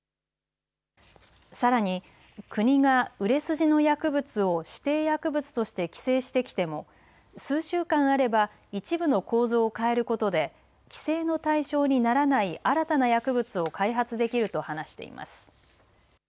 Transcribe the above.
さらに、国が売れ筋の薬物を指定薬物として規制してきても数週間あれば一部の構造を変えることで規制の対象にならない新たな薬物を開発できると話しています。